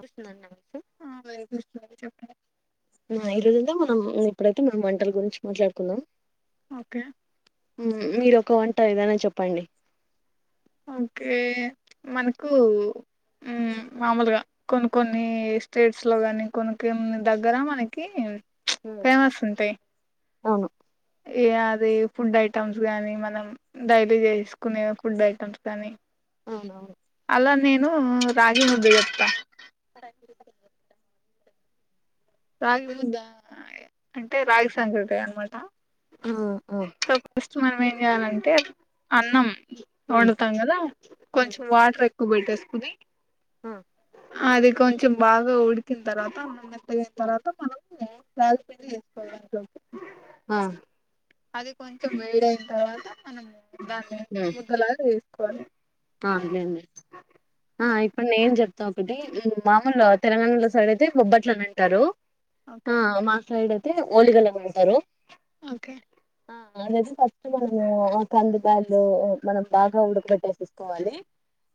వస్తున్నాండి నమస్త చెప్పడి ఈ రోజుంతా మనం ఇప్పుడైతే మనం వంటల గురించి మాట్లాడుకుందాం ఓకే మీరు ఒక వంట ఏదనా చెప్పండి ఓకే మనకు మామూలుగా కొన్ని కొన్ని స్టేట్స్ లో కాని కొన్ని కొన్ని దగ్గర మనకి ఫైమస్ ఉంత అవును ఏ అదే ఫుడ్ ఐ మ్స్ గానీ మనం డైట్ చేసుకునే ఫుడ్ ఐటమ్స్ కానీ అవునవును లా నేను రాగి ముద్ద చేస్తా అంటే రాగి సంగటి అనమాట ఆ ఆ స ఫస్ మనమ నంటే అన్నం వండుతాం కదా కొంచెం వాటర్ ఎ ఉక్కు పెట్టేసుకుని అది కొంచెం బాగా ఉడికిన తర్వాత మ ఉమ్, తర్వాత మనం చపి వసుకో ఆ అది కొంచెం వేడియిన తర్వాత మనం దాన్ని అదేండి ముద్ద్దలా కోను ఆ అదే అండి ఆ ఇప్పుడు న ఏం చెప్ ఒకటి మామూలు తెలంగాణలో సైడ్ అయితే బొబ్బట్లోనే ఉంటారు ఓకే ఆ మాసడది మ హోళగలా మాతారు ఓకే అనేది ఫస్ట్ మనము ఆ కందిబ్యాలు మనం బాగా ఉడక పెట్టేసి స్ కోవాలి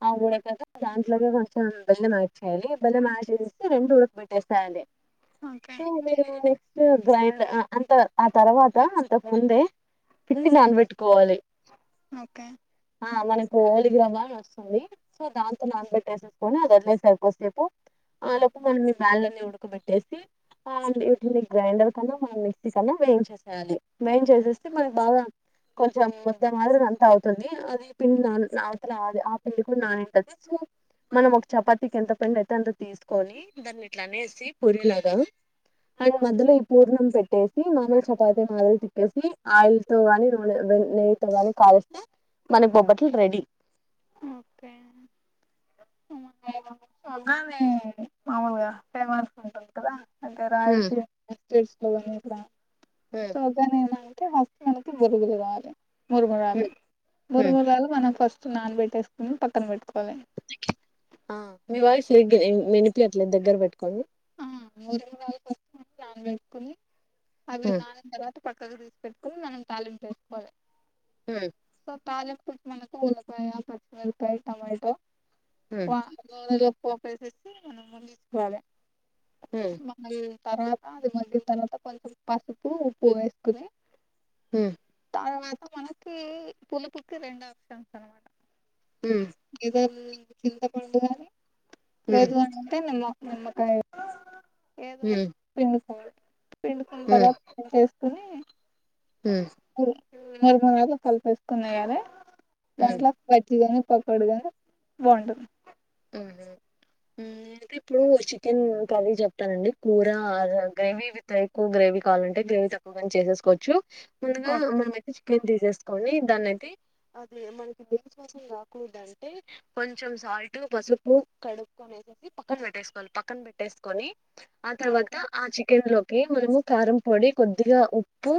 ఆ ఉడక గా దాంట్లోగా కొంచెం బెల్లం ఆడ్ చేయాలి, బెల్లం ఆడ్ చేసి రెండు ఉడక పెట్టేసేయాలి. ఓకే సో బెల్లం ఎ సో గ్రైండ్ ఆ అంత ఆ తర్వాత అంతకు ముందే పిల్లి నానబెట్టుకోవాలి ఓకే ఆ మన పోవాలి దూరంగాన్ వస్తుంది సో దాంతో నానబెట్టేసేసుకొని అది వదిలేసా కోసేపు ఆ లోక మన్ ఈ బాళ్ అన్ని ఉన్ కుక్ బేట్టేసి న్ని గ్రైండర్ కన్నా మ మిక్సీ కన్నా వేయిన్ చేసేయాలి. వేయింన్ చేసేస్తే మనకు బాగా కొంచెం ముద్ద మాదిరి అంత అవుతుంది అది పిండి నాన్ ఆ లాద్ ఆ పిళ్ల్కు నా టత్ మనం ఒక చపాతికి ఎంత పెండ్ అయితే అంత తీసుకొని, దాన్ని ఇట్లా అనేసి పూరి లాగా అండ్ మధ్యలో ఈ పూర్ణం పెట్టేసి మామూలు చపాతి మాదిలు తిప్పేసి ఆయిల్ తోగాని నూనె నెయ్యి తో కాని కాల్. తా మన బొబ్బట్లు రెడీ ఓకే మగానే మామలుగా టై మాన్ ఇలా హ్మ్ రాయల్సీ స్టిజ్ జేస్కొని బ హ్మ్ సోగా నేనా హాస్పిటల్ కి ఇద్దర్ తిరగాలే మురుమరాలు హ్మ్ హ్మ్ మురుమరాలు మనం ఫస్ నాన్ బెట్టేసుకోని పక్కన పెట్టుకోవాలి ఆ మీ వాయిస్ లే సరిగా వినిపియట్లేద్ దగ్గర పెట్టుకోండి ఆ మూర్ కురాల్ కోసం నాన్ పెట్టుకుంది అవి హ్మ్ నానిన్ తర్ వాత్ ట్ పక్కకు తీసుపెట్టుకున్ మనం తాలింపు వేసుకోవాలి హ్మ్ తాలింపు పుుట్ మనకు ఉల్లపాయ, పచ్చిమిరకాయ్, టొమాటో. హ్మ్ వాంద్ గోల దో పోపేసేసి మినుములు తీసుకోవాలే హ్మ్ మళ్ళీ తర్వాత అది మగ్గిన తర్వాత కొంచెం పసుపు ఉప్పు వేసుకుని హుమ్ తరవాత మనకీ పులుపుకి రెండు ఆప్షన్స్ అనమాట హ్మ్ ఏదర్ చింత పండుగాని, హ్మ్ లేదు అంటే నిమ్మ నిమ్మకాయ. ఏదో హ్మ్ సరే పిండుకుంటర కొని ఉం మర్ మ కలుపు కొని వేయలే, హ్మ్ హ్మ్ దాంట్ల పచ్చిగా, పకోడీ గా బాగుంటది. నే అయితే ఇప్పుడు చికెన్ కర్రి చెప్తానండి. కూర గ్రేవీ విత్ ఎక్కువ గ్రేవీ కావాలంటే గ్రేవీ తక్కువగాని చేసేసుకోవచ్చు. ముందుగా మనం ఐతే చికెన్ తి తీసుకొని దాన్నయితే అది మనకు నీస్ వాసన రాకూదుంటే కొంచెం సాల్ట్, టు పసుపు కడుక్కుని వేసి పక్కన పెట్టేసుకోవాలి. పక్కన పెట్టేసుకొని ఆ తర్వాత ఓకే ఆ చికెన్. మనము కారం పొడి కొద్దిగా ఉప్పు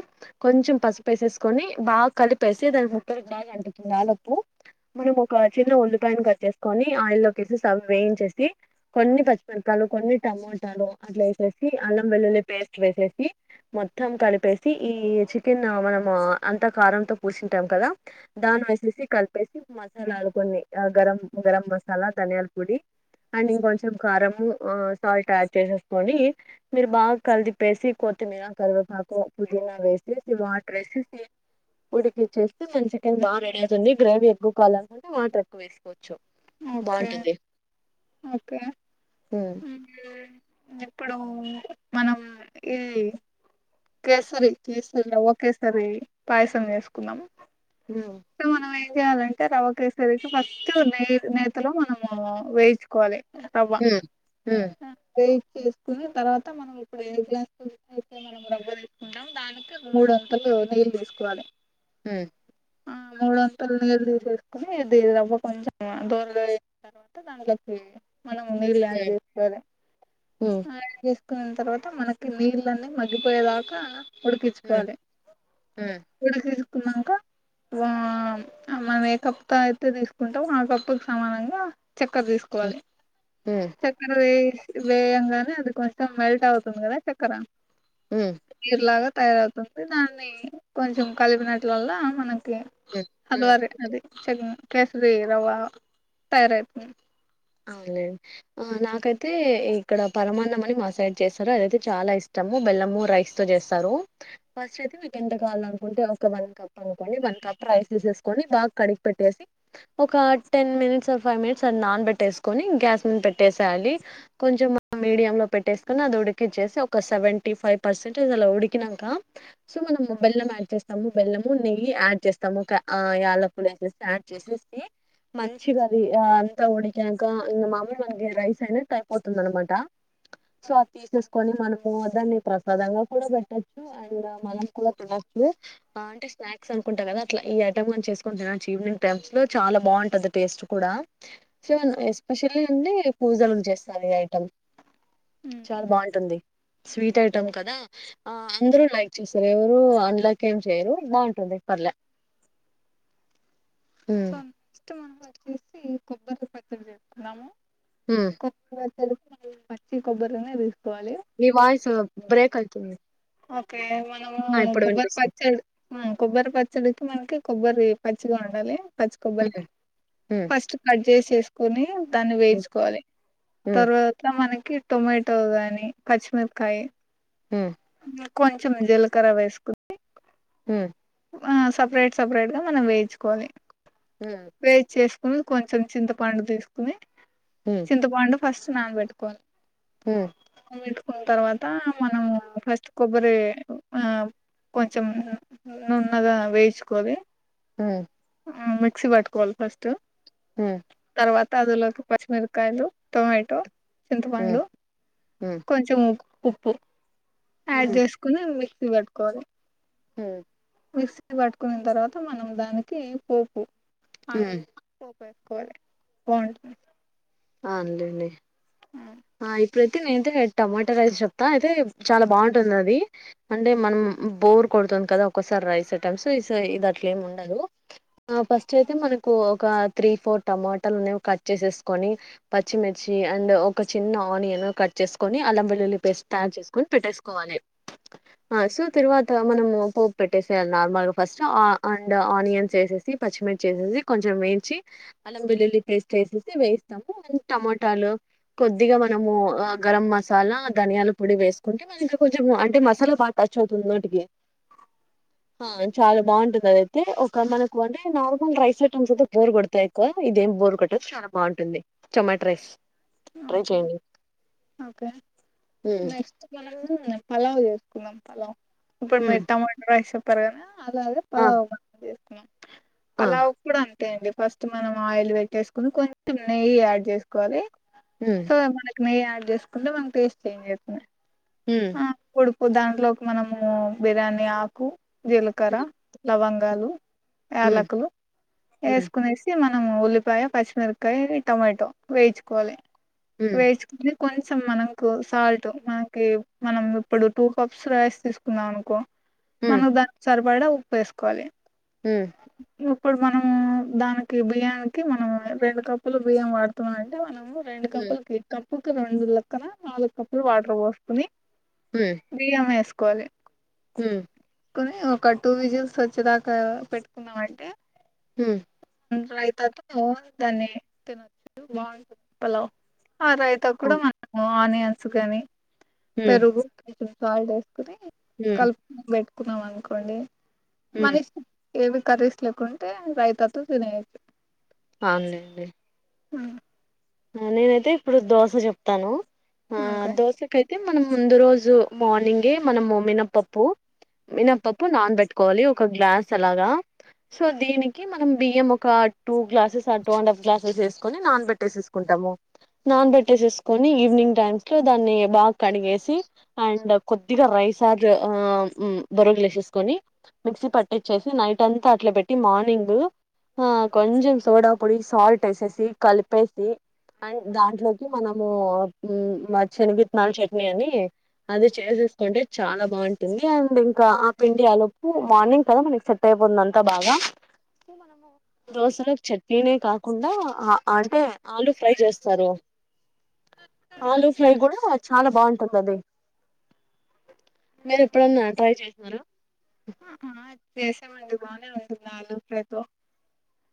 కొంచెం పసుపేసేసుకొని బాగా కలిపేసి దానికి ముక్కలకి బాగా అంటుతుంది. ఆ లోపు మనం ఒక చిన్న ఉల్లిపాయని కట్ చేసుకుని, ఆయిల్ లో కేసి వేయించేసి కొన్ని పచ్చిమిరకాలు కొన్ని టమోటాలు అట్లా వేసేసి అల్లం వెల్లుల్లి పేస్ట్ వేసేసి. మొత్తం కలిపేసి ఈ చికెన్ మా అంత కారంతో పూసింటామ్ కదా. దాన్ వేసేసి కలిపేసి మసాలాలు కొన్ని ఆ గరం. గరం మసాలా ధనియాల పొడి అండ్ ఇంకొంచెం కారంము సాల్ట్ యాడ్ చేసేసుకొని, మీరు బాగా కలిదిపేసి, కొత్తిమీర, కరివేపాకు. పుదీనా వేసేసి వాటర్ వేసేసి ఉడికిచ్చేస్తే మంచి చికెన్ బాగా రెడి అవుతుంది గ్రేవీ ఎక్కువాలికుంటే వాటర్ ఎక్వ వేసుకోవచ్చు. ఓకే బాగుంటది ఓకే ఉమ్ ఉహూ ఇప్పుడు మనం ఇది కేసరి ఒకేసారి పాయసం చేసుకున్నాం. ఉమ్ సో మనమైతే ఏం చేయాలంటే రవ్వ కేసరికి ఫస్ట్ నే నేత లో మనము వేయించుకోవాలి. ఉమ్ ఉమ్ చేసుకుని తర్వాత మనం ఇప్పుడు మనం ఏ గ్లాస్ [unintelligible] రబ్బ తీసుకుంటాం దానికి మూడుొంతులు నీళ్ళేసుకోవాలే హుమ్ ఆ మూడు వంతలు నీలు తీసేసుకుని ఇది రవ్వ కొంచెం దోరిగ ఎగిన తర్వాత దాంట్లకి మనం నీళ్ళు అడ్డ్ చేసుకోవాలే ఉమ్ ఉమ్ అడ్ చెస్ కున్న తర్వాత మనకి నీళ్ళన్నీ మగ్గిపోయేదాకా ఉమ్ ఉడికించుకోవాలి ఉమ్ ఉడక కున్నాంక ఆ మనం ఏ కప్పు అయితే తీసుకుంటాం ఆ కప్పుకు సమానంగా చక్కర తీసుకోవాలి ఉమ్ చక్కర తీస్ వేయంగానే అది కొంచెం మెల్ట్ అవుతుంది కదా చెక్కర ఉమ్ తిర్లగా తయారవుతుంది దాన్ని కొంచెం కలిపినట్లల్ల మన కి ఉమ్ హల్వారి అది చం కేసరి రవ్వ తయారైతుంది అవునండి నాకైతే ఇక్కడ పరమాన్నాం అని మా సైడ్ చేస్తారు అదైతే చాలా ఇష్టము బెల్లము రైస్ తో చేస్తారు ఫస్ట్ అయితే మీకు ఎంత కావాల అనుకుంటే ఒక వన్ కప్ అనుకోండి వన్ కప్ రైస్ వేసేసుకొని బాగా కడిగి పెట్టేసి ఒక టెన్ మినిట్స్ ఫైవ్ మినిట్స్ అ నాన్ పెట్ పెట్టెసుకొని గ్యాస్ మీద పెట్టేసేయాలి కొంచెం మీడియం లో పెట్టేసుకొని ఆది ఉడికిచేసి ఒక సెవెంటీ ఫైవ్ పర్సంట్ అది అలా ఉడికినంక సో మనం బెల్లం ఆడ్ చేస్తము బేల్లము నెయ్యి ఆడ్ చేస్తాము క యాలకులు అడ్ చేసేసి మంచిగా అంత ఉడికి నంక ఇంగ మాములు మనకి రైస్ అయి టైపోతుంది అనమాట సో అది తీసేసుకొని మనము దాన్ని ప్రసాదంగా కూడా పెట్టచ్చు అండ్ మనం కూడా తినొచ్చు అంటే స్నాక్స్ అనుకుంటా కదా అట్లా ఈ ఐటమ్ చేసుకొని తినచ్చు ఈవినింగ్ టైమ్స్ లో చాలా బాగుంటది టేస్ట్ కూడా శన్ ఎస్పెషల్లీ అంటే పూజలోకి చేస్తారు ఇ ఐటమ్ చాలా బాగుంటుంది స్వీట్ ఐటమ్ కదా ఆ అందరూ లైక్ చేస్తారు ఎవరు అన్లైక్ ఏం చేయరు బాగుంటుంది పర్లే ఉమ్ స ఇష్ట మన్న మ చేసి కొబ్బరి పచ్చడి చేస్తున్నాము ఉమ్ కొ బ్బ పచ్చి కొబ్బరినే తీస్ మీ వాయిస్ బ్రేక్ అయితుంది ఓకే మన్ ఆ ఇప్పుడు కొబ్బరి వినిపిస్తుంది పచ్చడి ఆ కొబ్బరి పచ్చడికి మనకి కొబ్బరి పచ్చిగా ఉండాలి పచ్చికొబ్బరి ఉమ్ ఫస్ట్ కట్ చేసేసుకొని దాన్ని ఉమ్ వేయించుకోవాలి ఉమ్ తర్వాత మనకి టొమాటో గాని పచ్చిమిరకాయ్ హ్మ్! కొంచెం జీలకర్ర వేసుకుంది. హ్మ్! ఆ సెపరేట్ సెపరేట్ గా మనం వేయించుకోవాలి. వేయించేస్తా. కొంచెం చింతపండు తీసుకుని. ఉమ్ చింతపండు. ఫస్ట్ నానబెట్టుకొని. ఉమ్ అవు [unintelligible] న్న తర్వాత మనం ఫస్ట్ కొబ్బరి ఆ కొంచెం. నున్నగా వేయిచుకోవాలి. హహ్మ్! ఉ మిక్సి పట్టుకోవాల ఫస్ట్. హ్మ్! తర్వాత అందులోకి పచ్చిమిరకాయలు, టొమాటో. ఉమ్ చింతపండు కొంచెం ఉప్ ఉప్పు. యాడ్ హ్మ్ చేసుకుని. మిక్సీ పట్టుకోని. హ్మ్! మిక్స్ పట్టుకున్న తర్వాత మనం దానికి పోపు. అయిల్ పోపు వేయటం. బోంటది. ఆ అంతెండి. హ్మ్! ప్రతి నయితే టమాటా రైస్ చెప్తా అయితే చాలా బావుంటుంది అది. అంటే, మనం బోర్ కొడుతుంది కదా ఒకోసారి రైస్ ఐటమ్స్ ఇస ఇది అట్లేమి ఉండదు. ఆ ఫస్ట్ అయితే మనకు ఒక త్రీ ఫోర్ టమాోటాలునేవి కట్ చేసేసుకొని, పచ్చిమిర్చి అండ్ ఒక చిన్న ఆనియన్ కట్ చేసుకొని అలం వెల్లుల్లి పేస్ట్ తయారు చేసుకొని పెట్టేసుకోవాలి. ఆ సో తర్వాత మనము పోపు పెట్టేసేయాలి నార్మల్ గా ఫస్ట్ ఆ అండ్ ఆనియన్స్ వేసేసి, పచ్చిమిర్చి వేసేసి, కొంచెం వేయించి అలం వెల్లుల్లి పేస్ట్ వేసేసి, వేయి టమోటాలు కొద్దిగా మనము గరం మసాలా ధనియాల పొడి వేస్ అంటే మన ఇంకా కొంచము అంటే మసాలా బా టచ్ అవుతుంది నోటికి ఆ చాలా బావుంటుంది. అదైతే ఒక మనకు అంటే నార్మల్ రైస్ ఐటమ్స్ అయితే బోరు కొడతాయి. ఎక్కువ ఇదేం బోరు కొట్టదుచాలా బావుంటుంది. Tomato rice. ఓకే ఓకే హ్మ్. నెస్స్ట్ మనము పలావ్ చేసుకుందాం పలావ్. ఇప్పుడు హ్మ్. మీరు టమోట రైసు. పరగణ అద అదే ఆ పలావు [unintelligible] [inaudible] ఆ పలవ్ కుడా అంత్ తె అండి ఫస్ట్ మనం ఆయిల్ పెట్టేసుకుని కొంచెం నెయ్యి యాడ్ చేసుకోవాలి హ్మ్. స మనక్ నేయ్యి ఆడ్ చేసుకుంటే మనకు టేస్ట్ చేంజ్ అయితుంది ఉమ్ దాంట్లోకి మనము బిర్యానీ ఆకు జీలకర హ్మ్. లవంగ గాలు హ్మ్. యాలకులు హ్మ్. ఏసుకునేసి మ నం ఉల్లిపాయ పచ్చిమిరపకాయ టమాటో వేయిచ్చుకోవాలి హ్మ్. వేయిచ్చుకుని కొంచెం మనకు సాల్ట్ మనకి మనం ఇప్పుడు టూ కప్స్ రైస్ తీసుకున్నాం అనుకో మన దానికి సరిపడ ఉ ప్పేసుకోవాలి. ఉమ్ ఇప్పుడు మనమూ దానికి బియ్యానికి మనం రెండు కప్పులు బియ్యం వాడుతున్నాం అంటే మనము రెండు హ్మ్ కప్పులు క్లిక్కం కప్పు కు రెండు లేక్కన నాలుగు కప్పులు వాటర్ పోసుకుని బియ్య మెస్ కోవాలి హు ట్టుకొని ఒక టూ విజిల్స్ వచ్చేదాకా పెట్టుకున్నామంటే హుమ్ ట్లన తరువాత ఒ దాన్ని తినొచ్చు బాగు [unintelligible] ఆ రైతా కూడా అవును. మన క్ బ ఆనియన్స్ గాని హ్మ్ పెరుగు [inaudible] కల్ప కోన్ పెట్ క్ క్కున్నాం అనుకోండి హ్మ్ మరి ఏమి కఖరీస్ లేకుంటే రైతతో తినేయ్యొచ్ అవునులెండి ఆ నేనైతే ఇప్పుడు దోశ చెప్తాను ఆ అంతే దోస కయితే అ మన ముందు రోజు మార్నింగే మన మినపప్పు మినపప్పు నానబెట్టుకోవాలి ఒక గ్లాస్ అలాగా సో దీనికి మన బియ్యం ఒక టూ గ్లా సార్ టూ అండ్ఫ్లాసెస్ కొని నాన్ పెట్టేససు కుంటాము నాన్ పెట్టేసేసుకుని ఈవినింగ్ టైమ్స్ లో దాన్ని బాగా కడిగేసి అండ్ కొద్దిగా రైస్ ఆర్ బొరగులు వేసేసుకొని మిక్సీ పట్టిచ్చేసి నైట్ అంతా అట్లా పెట్టి మార్నింగ్ కొంచెం సోడా పొడి సాల్ట్ వేసేసి కలిపేసి అండ్ దాంట్లోకి మనము శనగిత్తనాలు చట్నీ అని అది చేసేసుకుంటే చాలా బాగుంటుంది అండ్ ఇంకా ఆ పిండి ఆలుప్పు మార్నింగ్ కదా మనకి సట్ అయిపోతుంది అంతా బాగా మనము దోశలో చట్నీనే కాకుండా అంటే ఆలుూ ఫ్రై చేస్తారు ఆలుూ ఫ్రై కూడా చాలా బాగుంటుంది అది మీరు ఇప్పుడున్న ట్రై చేసిన ఆ, చేసామండి బాగానే ఉంటుంది ఆలపేతో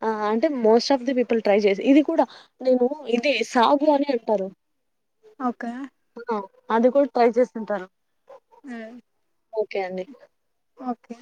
ఆ అంటే most of the people try చేసి ఇది కూడా నేను ఇది సాగు అని అంటారు ఓకే ఆ అది కూడా ట్రై చేస్తుంటారు ఆ, ఓకే అండి ఓకే